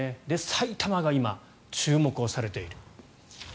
埼玉が今、注目されている。